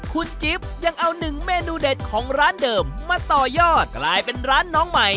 คุณจิ๊บยังเอาหนึ่งเมนูเด็ดของร้านเดิมมาต่อยอดกลายเป็นร้านน้องใหม่